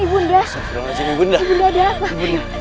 ibu nda ibu nda ada apa